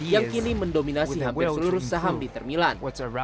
yang kini mendominasi hampir seluruh saham di terminal